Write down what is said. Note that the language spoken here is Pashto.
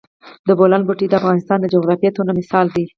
د بولان پټي د افغانستان د جغرافیوي تنوع مثال دی.